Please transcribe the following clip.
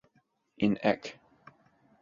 In Eq.